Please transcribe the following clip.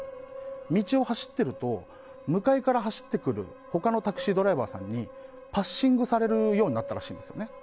道を走ってると向いから走ってくる他のタクシードライバーさんにパッシングされるようになったらしいんですよね。